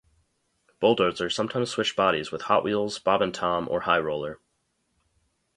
Bulldozer sometimes switched bodies with Hot Wheels, Bob and Tom, or High Roller.